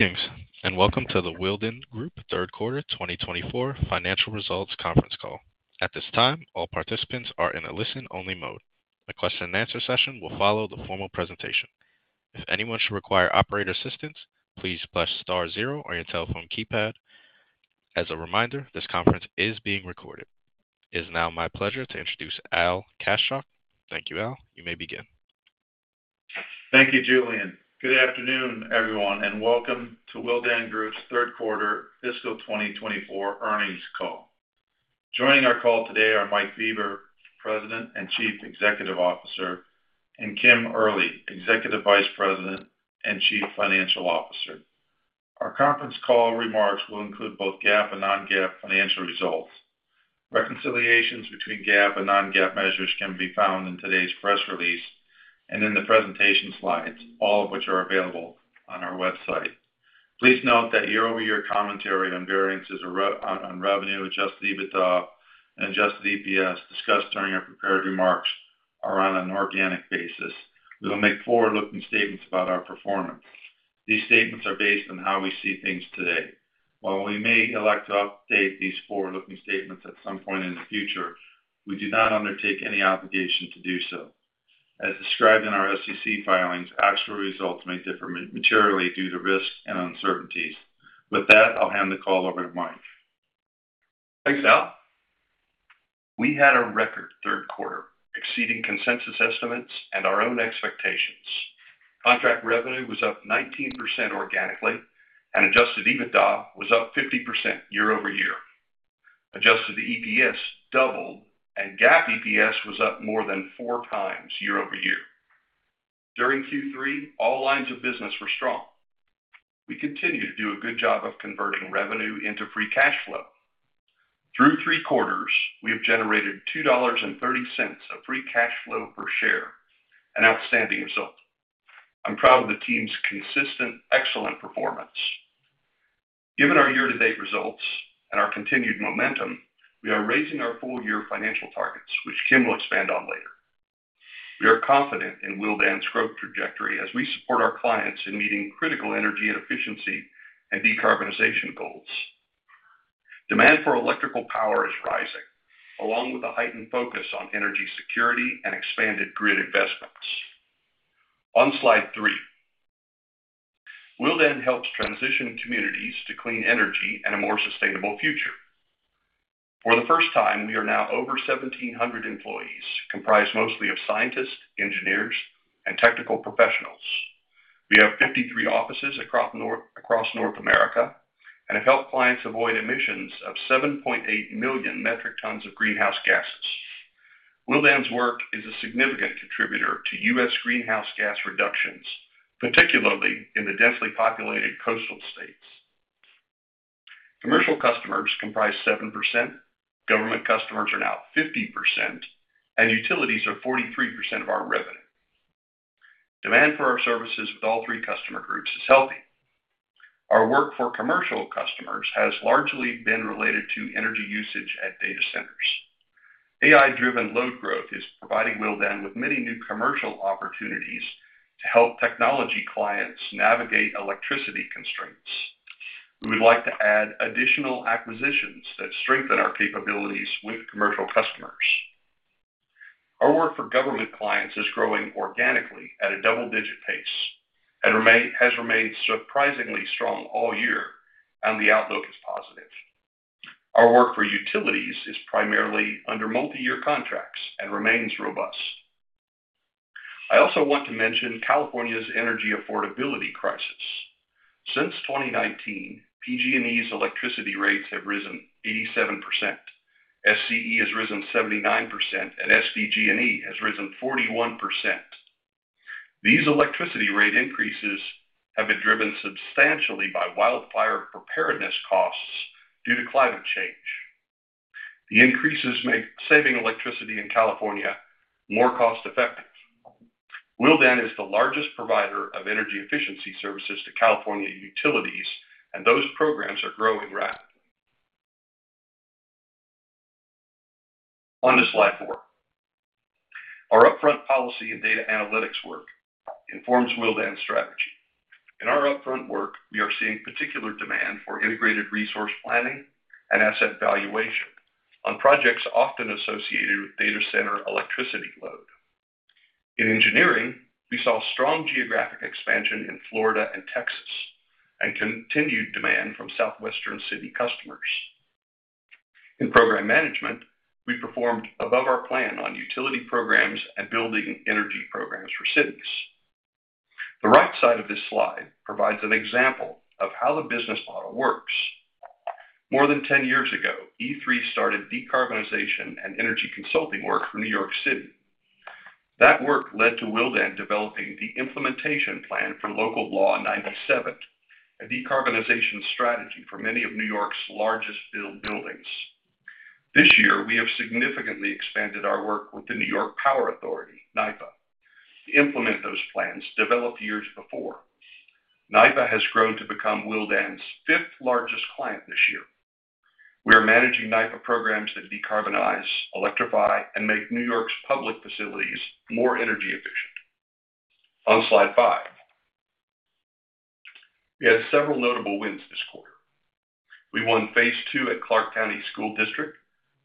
Thanks, and welcome to the Willdan Group Third Quarter 2024 Financial Results Conference Call. At this time, all participants are in a listen-only mode. The question-and-answer session will follow the formal presentation. If anyone should require operator assistance, please press star zero on your telephone keypad. As a reminder, this conference is being recorded. It is now my pleasure to introduce Al Kaschalk. Thank you, Al. You may begin. Thank you, Julian. Good afternoon, everyone, and welcome to Willdan Group's Third Quarter Fiscal 2024 Earnings Call. Joining our call today are Mike Bieber, President and Chief Executive Officer, and Kim Early, Executive Vice President and Chief Financial Officer. Our conference call remarks will include both GAAP and non-GAAP financial results. Reconciliations between GAAP and non-GAAP measures can be found in today's press release and in the presentation slides, all of which are available on our website. Please note that year-over-year commentary on variances on revenue Adjusted EBITDA and Adjusted EPS discussed during our prepared remarks are on an organic basis. We will make forward-looking statements about our performance. These statements are based on how we see things today. While we may elect to update these forward-looking statements at some point in the future, we do not undertake any obligation to do so. As described in our SEC filings, actual results may differ materially due to risk and uncertainties. With that, I'll hand the call over to Mike. Thanks, Al. We had a record third quarter exceeding consensus estimates and our own expectations. Contract revenue was up 19% organically, and Adjusted EBITDA was up 50% year-over-year. Adjusted EPS doubled, and GAAP EPS was up more than four times year-over-year. During Q3, all lines of business were strong. We continue to do a good job of converting revenue into free cash flow. Through three quarters, we have generated $2.30 of free cash flow per share, an outstanding result. I'm proud of the team's consistent, excellent performance. Given our year-to-date results and our continued momentum, we are raising our full-year financial targets, which Kim will expand on later. We are confident in Willdan's growth trajectory as we support our clients in meeting critical energy efficiency and decarbonization goals. Demand for electrical power is rising, along with a heightened focus on energy security and expanded grid investments. On slide three, Willdan helps transition communities to clean energy and a more sustainable future. For the first time, we are now over 1,700 employees, comprised mostly of scientists, engineers, and technical professionals. We have 53 offices across North America and have helped clients avoid emissions of 7.8 million metric tons of greenhouse gases. Willdan's work is a significant contributor to U.S. greenhouse gas reductions, particularly in the densely populated coastal states. Commercial customers comprise 7%, government customers are now 50%, and utilities are 43% of our revenue. Demand for our services with all three customer groups is healthy. Our work for commercial customers has largely been related to energy usage at data centers. AI-driven load growth is providing Willdan with many new commercial opportunities to help technology clients navigate electricity constraints. We would like to add additional acquisitions that strengthen our capabilities with commercial customers. Our work for government clients is growing organically at a double-digit pace and has remained surprisingly strong all year, and the outlook is positive. Our work for utilities is primarily under multi-year contracts and remains robust. I also want to mention California's energy affordability crisis. Since 2019, PG&E's electricity rates have risen 87%, SCE has risen 79%, and SDG&E has risen 41%. These electricity rate increases have been driven substantially by wildfire preparedness costs due to climate change. The increases make saving electricity in California more cost-effective. Willdan is the largest provider of energy efficiency services to California utilities, and those programs are growing rapidly. On to slide four. Our upfront policy and data analytics work informs Willdan's strategy. In our upfront work, we are seeing particular demand for integrated resource planning and asset valuation on projects often associated with data center electricity load. In engineering, we saw strong geographic expansion in Florida and Texas and continued demand from southwestern city customers. In program management, we performed above our plan on utility programs and building energy programs for cities. The right side of this slide provides an example of how the business model works. More than 10 years ago, E3 started decarbonization and energy consulting work for New York City. That work led to Willdan developing the implementation plan for Local Law 97, a decarbonization strategy for many of New York's largest buildings. This year, we have significantly expanded our work with the New York Power Authority (NYPA) to implement those plans developed years before. NYPA has grown to become Willdan's fifth largest client this year. We are managing NYPA programs that decarbonize, electrify, and make New York's public facilities more energy efficient. On slide five, we had several notable wins this quarter. We won phase II at Clark County School District,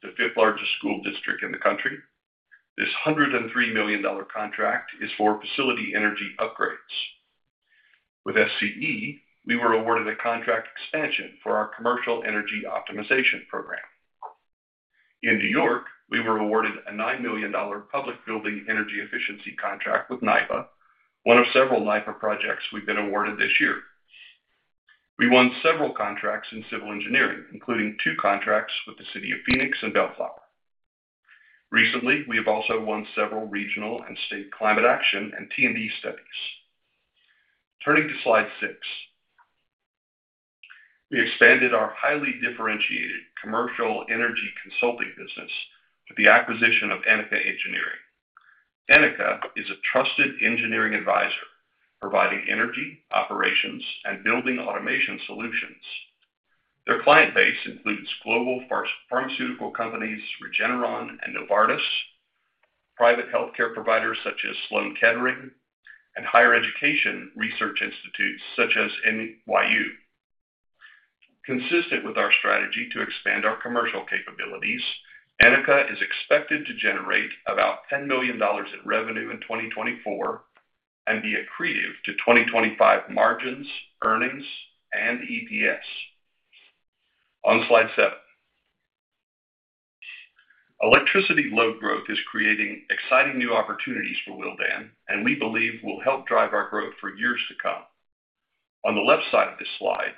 the fifth largest school district in the country. This $103 million contract is for facility energy upgrades. With SCE, we were awarded a contract expansion for our commercial energy optimization program. In New York, we were awarded a $9 million public building energy efficiency contract with NYPA, one of several NYPA projects we've been awarded this year. We won several contracts in civil engineering, including two contracts with the City of Phoenix and Bellflower. Recently, we have also won several regional and state climate action and T&D studies. Turning to slide six, we expanded our highly differentiated commercial energy consulting business with the acquisition of Enica Engineering. Enica is a trusted engineering advisor providing energy, operations, and building automation solutions. Their client base includes global pharmaceutical companies Regeneron and Novartis, private healthcare providers such as Sloan Kettering, and higher education research institutes such as NYU. Consistent with our strategy to expand our commercial capabilities, Enica is expected to generate about $10 million in revenue in 2024 and be accretive to 2025 margins, earnings, and EPS. On slide seven, electricity load growth is creating exciting new opportunities for Willdan, and we believe will help drive our growth for years to come. On the left side of this slide,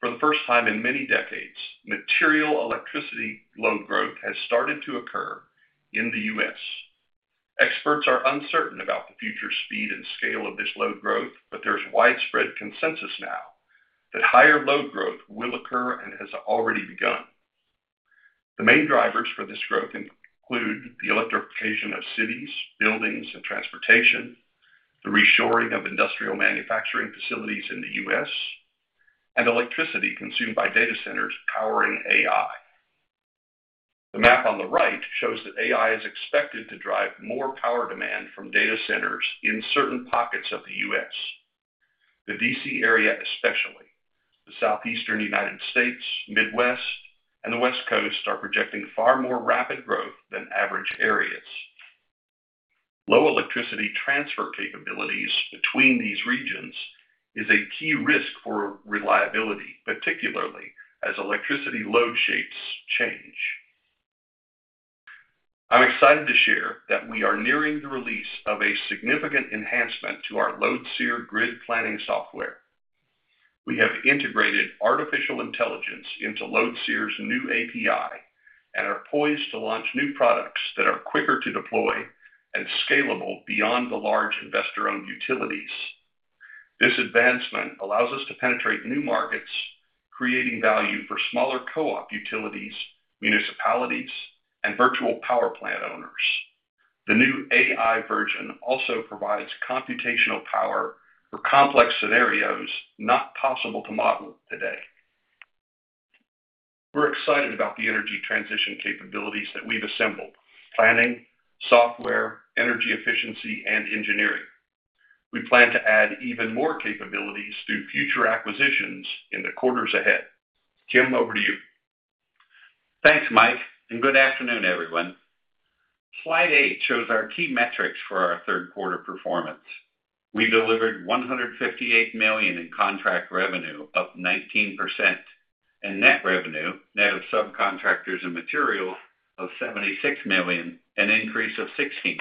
for the first time in many decades, material electricity load growth has started to occur in the U.S. Experts are uncertain about the future speed and scale of this load growth, but there's widespread consensus now that higher load growth will occur and has already begun. The main drivers for this growth include the electrification of cities, buildings and transportation, the reshoring of industrial manufacturing facilities in the U.S., and electricity consumed by data centers powering AI. The map on the right shows that AI is expected to drive more power demand from data centers in certain pockets of the U.S. The DC area, especially the Southeastern United States, Midwest, and the West Coast, are projecting far more rapid growth than average areas. Low electricity transfer capabilities between these regions is a key risk for reliability, particularly as electricity load shapes change. I'm excited to share that we are nearing the release of a significant enhancement to our LoadSEER grid planning software. We have integrated artificial intelligence into LoadSEER's new API and are poised to launch new products that are quicker to deploy and scalable beyond the large investor-owned utilities. This advancement allows us to penetrate new markets, creating value for smaller co-op utilities, municipalities, and virtual power plant owners. The new AI version also provides computational power for complex scenarios not possible to model today. We're excited about the energy transition capabilities that we've assembled: planning, software, energy efficiency, and engineering. We plan to add even more capabilities through future acquisitions in the quarters ahead. Kim, over to you. Thanks, Mike, and good afternoon, everyone. Slide eight shows our key metrics for our third quarter performance. We delivered $158 million in contract revenue, up 19%, and net revenue, net of subcontractors and materials, of $76 million, an increase of 16%.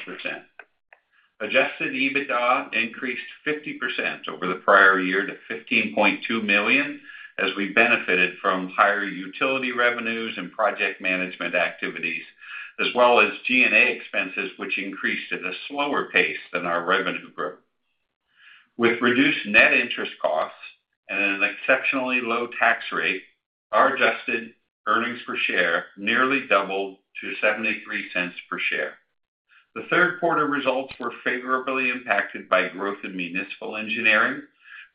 Adjusted EBITDA increased 50% over the prior year to $15.2 million as we benefited from higher utility revenues and project management activities, as well as G&A expenses, which increased at a slower pace than our revenue growth. With reduced net interest costs and an exceptionally low tax rate, our adjusted earnings per share nearly doubled to $0.73 per share. The third quarter results were favorably impacted by growth in municipal engineering,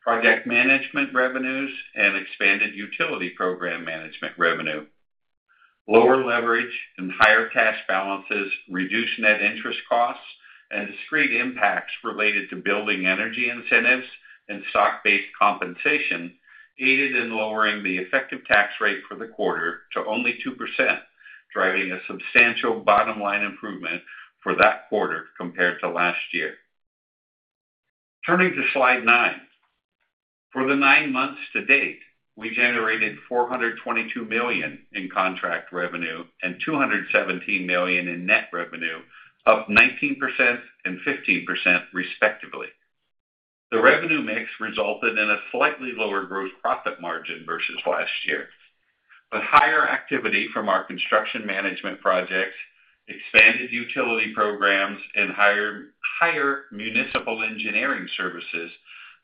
project management revenues, and expanded utility program management revenue. Lower leverage and higher cash balances reduced net interest costs, and discrete impacts related to building energy incentives and stock-based compensation aided in lowering the effective tax rate for the quarter to only 2%, driving a substantial bottom-line improvement for that quarter compared to last year. Turning to slide nine, for the nine months to date, we generated $422 million in contract revenue and $217 million in net revenue, up 19% and 15% respectively. The revenue mix resulted in a slightly lower gross profit margin versus last year, but higher activity from our construction management projects, expanded utility programs, and higher municipal engineering services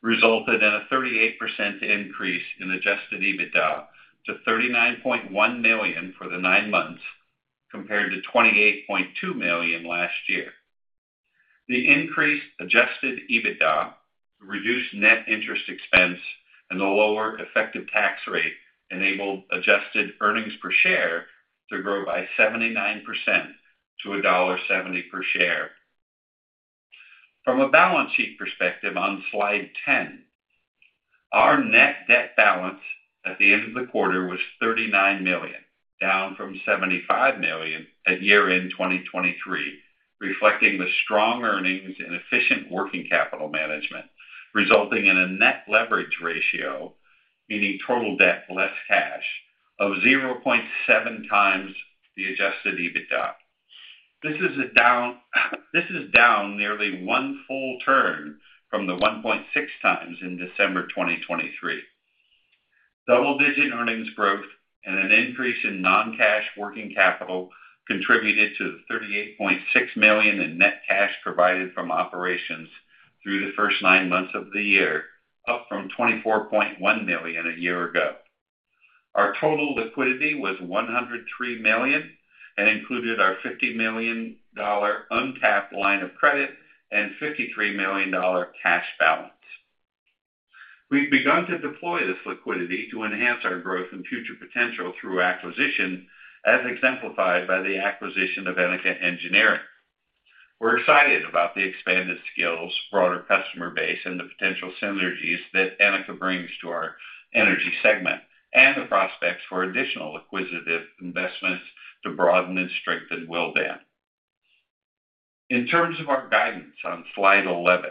resulted in a 38% increase in Adjusted EBITDA to $39.1 million for the nine months compared to $28.2 million last year. The increased Adjusted EBITDA, reduced net interest expense, and the lower effective tax rate enabled adjusted earnings per share to grow by 79% to $1.70 per share. From a balance sheet perspective on slide 10, our net debt balance at the end of the quarter was $39 million, down from $75 million at year-end 2023, reflecting the strong earnings and efficient working capital management, resulting in a net leverage ratio, meaning total debt less cash, of 0.7 times the Adjusted EBITDA. This is down nearly one full turn from the 1.6 times in December 2023. Double-digit earnings growth and an increase in non-cash working capital contributed to the $38.6 million in net cash provided from operations through the first nine months of the year, up from $24.1 million a year ago. Our total liquidity was $103 million and included our $50 million untapped line of credit and $53 million cash balance. We've begun to deploy this liquidity to enhance our growth and future potential through acquisition, as exemplified by the acquisition of Enica Engineering. We're excited about the expanded skills, broader customer base, and the potential synergies that Enica brings to our energy segment and the prospects for additional acquisitive investments to broaden and strengthen Willdan. In terms of our guidance on slide 11,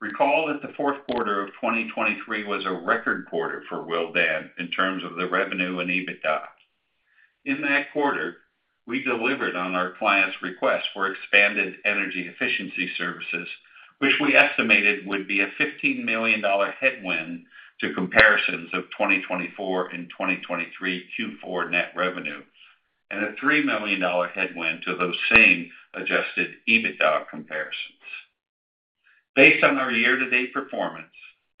recall that the fourth quarter of 2023 was a record quarter for Willdan in terms of the revenue and EBITDA. In that quarter, we delivered on our clients' request for expanded energy efficiency services, which we estimated would be a $15 million headwind to comparisons of 2024 and 2023 Q4 net revenue and a $3 million headwind to those same adjusted EBITDA comparisons. Based on our year-to-date performance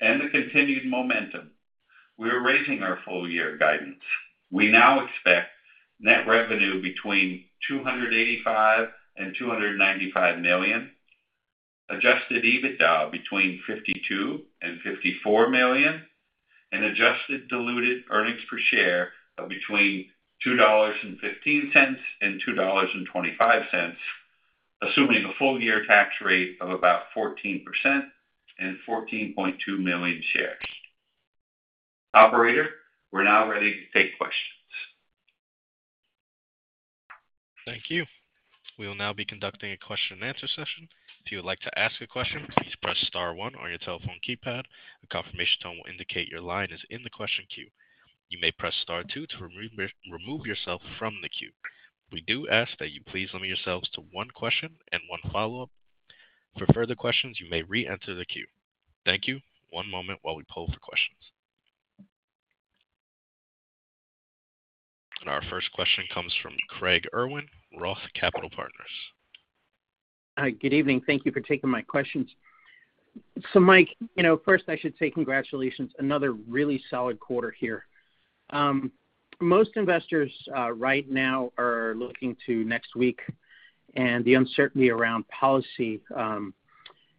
and the continued momentum, we are raising our full-year guidance. We now expect net revenue between $285 and $295 million, adjusted EBITDA between $52 and $54 million, and adjusted diluted earnings per share of between $2.15 and $2.25, assuming a full-year tax rate of about 14% and 14.2 million shares. Operator, we're now ready to take questions. Thank you. We will now be conducting a question-and-answer session. If you would like to ask a question, please press star one on your telephone keypad. A confirmation tone will indicate your line is in the question queue. You may press star two to remove yourself from the queue. We do ask that you please limit yourselves to one question and one follow-up. For further questions, you may re-enter the queue. Thank you. One moment while we poll for questions, and our first question comes from Craig Irwin, Roth Capital Partners. Hi, good evening. Thank you for taking my questions. So, Mike, you know, first I should say congratulations. Another really solid quarter here. Most investors right now are looking to next week, and the uncertainty around policy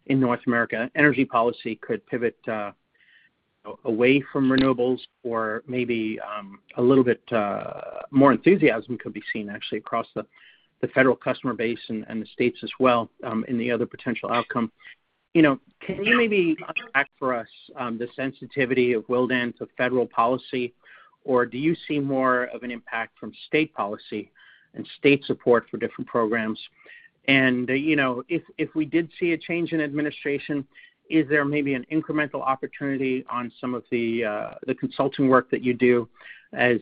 in North America, energy policy could pivot away from renewables or maybe a little bit more enthusiasm could be seen actually across the federal customer base and the states as well in the other potential outcome. You know, can you maybe unpack for us the sensitivity of Willdan to federal policy, or do you see more of an impact from state policy and state support for different programs? And, you know, if we did see a change in administration, is there maybe an incremental opportunity on some of the consulting work that you do as,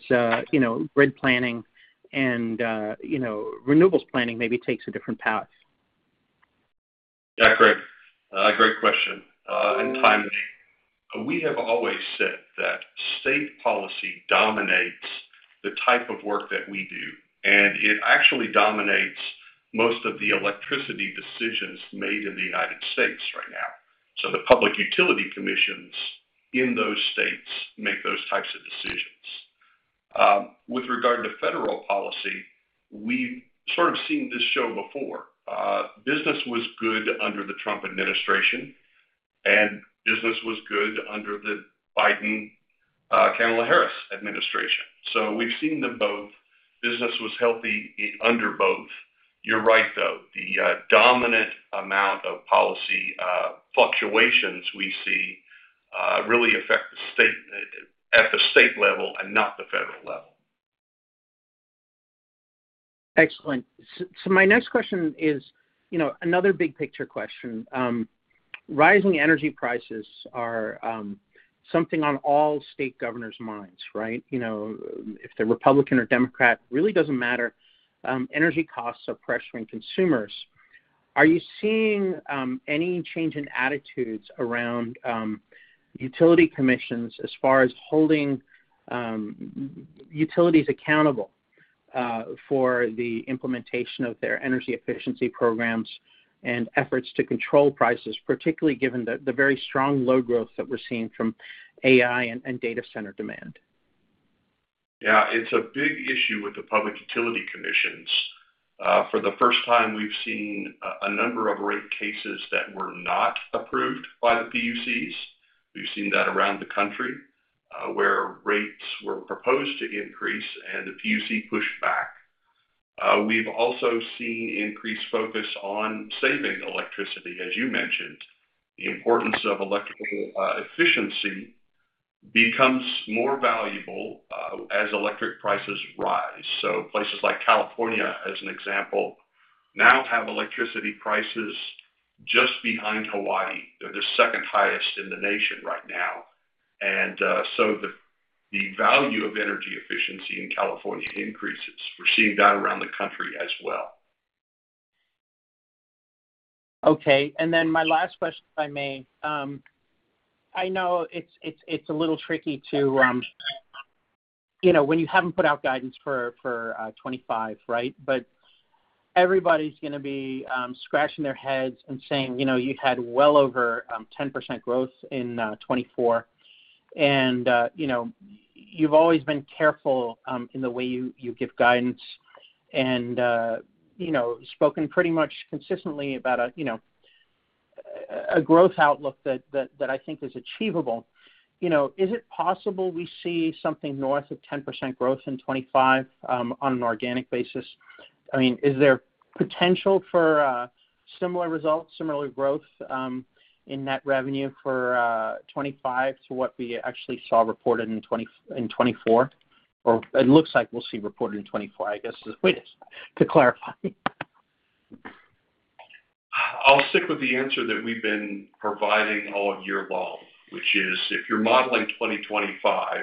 you know, grid planning and, you know, renewables planning maybe takes a different path? Yeah, Craig, great question and timely. We have always said that state policy dominates the type of work that we do, and it actually dominates most of the electricity decisions made in the United States right now. So the public utility commissions in those states make those types of decisions. With regard to federal policy, we've sort of seen this show before. Business was good under the Trump administration, and business was good under the Biden-Kamala Harris administration. So we've seen them both. Business was healthy under both. You're right, though. The dominant amount of policy fluctuations we see really affect the state at the state level and not the federal level. Excellent, so my next question is, you know, another big picture question. Rising energy prices are something on all state governors' minds, right? You know, if they're Republican or Democrat, really doesn't matter. Energy costs are pressuring consumers. Are you seeing any change in attitudes around utility commissions as far as holding utilities accountable for the implementation of their energy efficiency programs and efforts to control prices, particularly given the very strong load growth that we're seeing from AI and data center demand? Yeah, it's a big issue with the public utility commissions. For the first time, we've seen a number of rate cases that were not approved by the PUCs. We've seen that around the country where rates were proposed to increase and the PUC pushed back. We've also seen increased focus on saving electricity, as you mentioned. The importance of electrical efficiency becomes more valuable as electric prices rise. So places like California, as an example, now have electricity prices just behind Hawaii. They're the second highest in the nation right now. And so the value of energy efficiency in California increases. We're seeing that around the country as well. Okay. And then my last question, if I may. I know it's a little tricky to, you know, when you haven't put out guidance for 2025, right? But everybody's going to be scratching their heads and saying, you know, you had well over 10% growth in 2024. And, you know, you've always been careful in the way you give guidance and, you know, spoken pretty much consistently about, you know, a growth outlook that I think is achievable. You know, is it possible we see something north of 10% growth in 2025 on an organic basis? I mean, is there potential for similar results, similar growth in net revenue for 2025 to what we actually saw reported in 2024? Or it looks like we'll see reported in 2024, I guess, is the way to clarify. I'll stick with the answer that we've been providing all year long, which is if you're modeling 2025,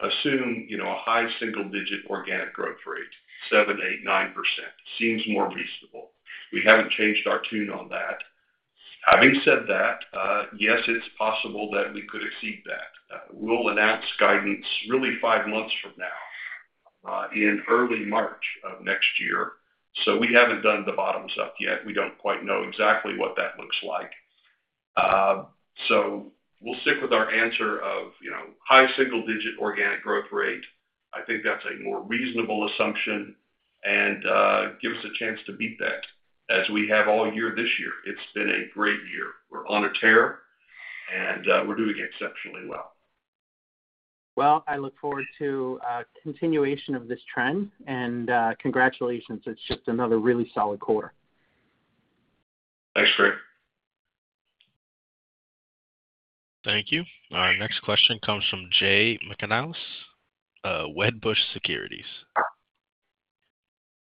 assume, you know, a high single-digit organic growth rate, 7%, 8%, 9%. Seems more reasonable. We haven't changed our tune on that. Having said that, yes, it's possible that we could exceed that. We'll announce guidance really five months from now in early March of next year. So we haven't done the bottoms up yet. We don't quite know exactly what that looks like. So we'll stick with our answer of, you know, high single-digit organic growth rate. I think that's a more reasonable assumption and give us a chance to beat that as we have all year this year. It's been a great year. We're on a tear and we're doing exceptionally well. I look forward to continuation of this trend and congratulations. It's just another really solid quarter. Thanks, Craig. Thank you. Our next question comes from Jay McCanless, Wedbush Securities.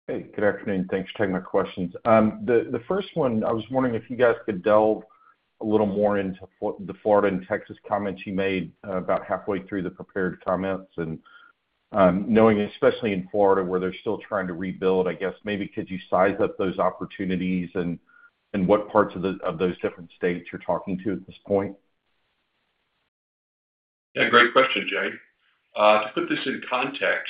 Hey, good afternoon. Thanks for taking my questions. The first one, I was wondering if you guys could delve a little more into the Florida and Texas comments you made about halfway through the prepared comments, and knowing, especially in Florida where they're still trying to rebuild, I guess, maybe could you size up those opportunities and what parts of those different states you're talking to at this point? Yeah, great question, Jay. To put this in context,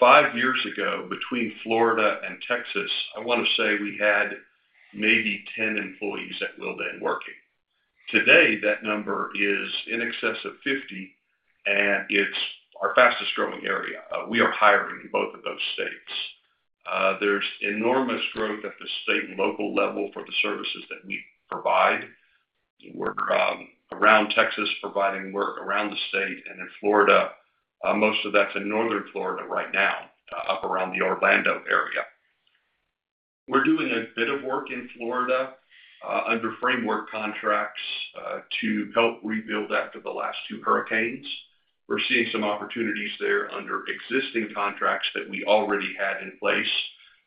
five years ago between Florida and Texas, I want to say we had maybe 10 employees at Willdan working. Today, that number is in excess of 50, and it's our fastest growing area. We are hiring in both of those states. There's enormous growth at the state and local level for the services that we provide. We're around Texas providing work around the state. And in Florida, most of that's in northern Florida right now, up around the Orlando area. We're doing a bit of work in Florida under framework contracts to help rebuild after the last two hurricanes. We're seeing some opportunities there under existing contracts that we already had in place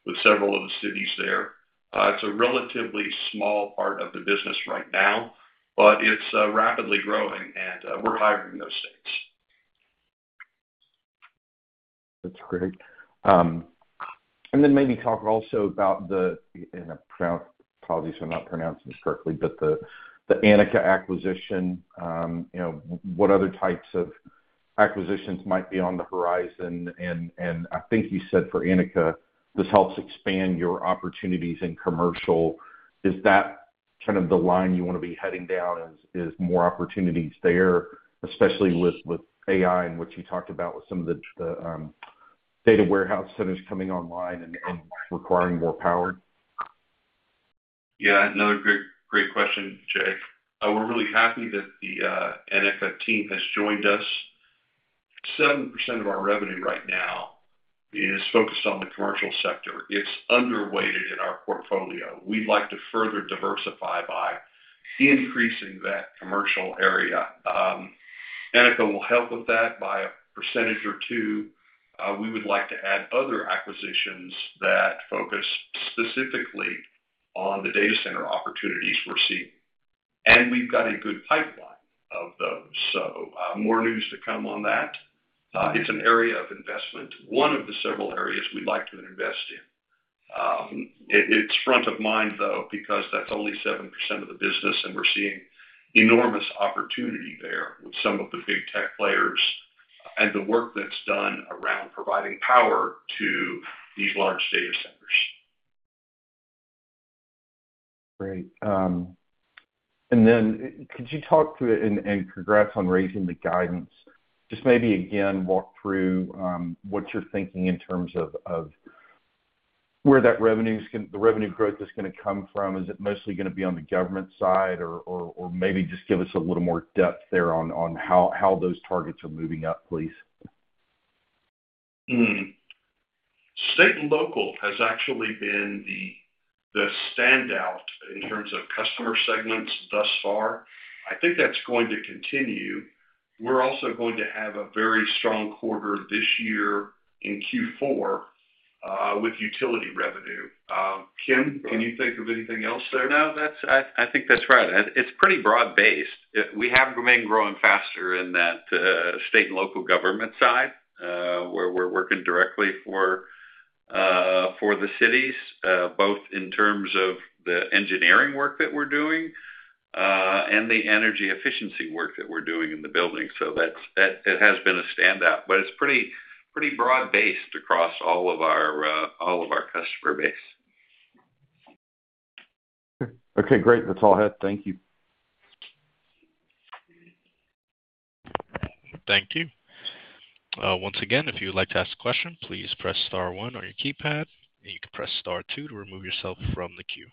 with several of the cities there. It's a relatively small part of the business right now, but it's rapidly growing and we're hiring in those states. That's great. And then maybe talk also about the, apologies for not pronouncing it correctly, but the Enica acquisition, you know, what other types of acquisitions might be on the horizon? And I think you said for Enica this helps expand your opportunities in commercial. Is that kind of the line you want to be heading down? Is more opportunities there, especially with AI and what you talked about with some of the data centers coming online and requiring more power? Yeah, another great question, Jay. We're really happy that the Enica team has joined us. 7% of our revenue right now is focused on the commercial sector. It's underweighted in our portfolio. We'd like to further diversify by increasing that commercial area. Enica will help with that by a percentage or two. We would like to add other acquisitions that focus specifically on the data center opportunities we're seeing. And we've got a good pipeline of those. So more news to come on that. It's an area of investment, one of the several areas we'd like to invest in. It's front of mind, though, because that's only 7% of the business, and we're seeing enormous opportunity there with some of the big tech players and the work that's done around providing power to these large data centers. Great. And then could you talk through it, and congrats on raising the guidance? Just maybe again, walk through what you're thinking in terms of where that revenue's going, the revenue growth is going to come from. Is it mostly going to be on the government side? Or maybe just give us a little more depth there on how those targets are moving up, please. State and local has actually been the standout in terms of customer segments thus far. I think that's going to continue. We're also going to have a very strong quarter this year in Q4 with utility revenue. Kim, can you think of anything else there? No, I think that's right. It's pretty broad-based. We have been growing faster in that state and local government side where we're working directly for the cities, both in terms of the engineering work that we're doing and the energy efficiency work that we're doing in the building. So it has been a standout, but it's pretty broad-based across all of our customer base. Okay, great. That's all I had. Thank you. Thank you. Once again, if you'd like to ask a question, please press star one on your keypad. You can press star two to remove yourself from the queue.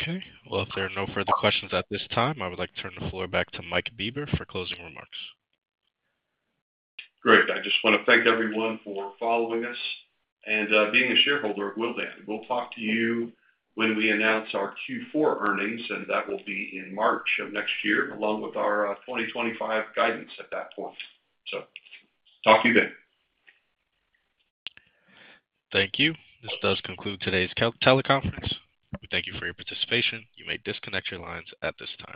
Okay. Well, if there are no further questions at this time, I would like to turn the floor back to Mike Bieber for closing remarks. Great. I just want to thank everyone for following us and being a shareholder of Willdan. We'll talk to you when we announce our Q4 earnings, and that will be in March of next year along with our 2025 guidance at that point. So talk to you then. Thank you. This does conclude today's teleconference. We thank you for your participation. You may disconnect your lines at this time.